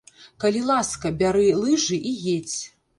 Калі ласка, бяры лыжы і едзь.